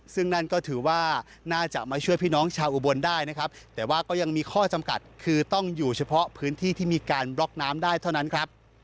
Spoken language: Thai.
ซึ่งนั่นก็ถือว่าน่าจะมาช่วยพี่น้องชาวอุบลได้นะครับแต่ว่าก็ยังมีข้อจำกัดคือต้องอยู่เฉพาะพื้นที่ที่มีการบล็อกน้ำได้เท่านั้นครับ